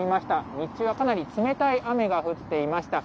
日中はかなり冷たい雨が降っていました。